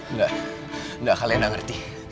enggak enggak kalian nggak ngerti